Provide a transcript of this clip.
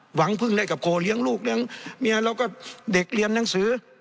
หวังพึ่งได้กับโคเลี้ยงลูกเลี้ยงเมียแล้วก็เด็กเรียนหนังสือ